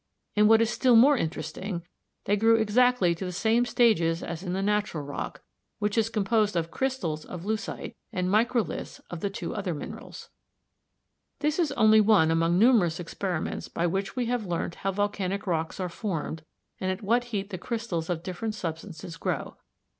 And what is still more interesting, they grew exactly to the same stages as in the natural rock, which is composed of crystals of leucite and microliths of the two other minerals. This is only one among numerous experiments by which we have learnt how volcanic rocks are formed and at what heat the crystals of different substances grow.